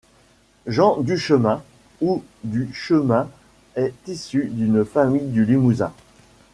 Jean Duchemin ou du Chemin est issu d'une famille du Limousin.